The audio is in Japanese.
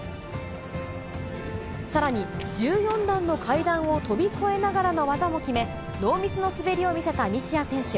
さらに１４段の階段を飛び越えながらの技も決め、ノーミスの滑りを見せた西矢選手。